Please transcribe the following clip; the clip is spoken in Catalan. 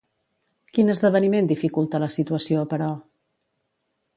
Quin esdeveniment dificulta la situació, però?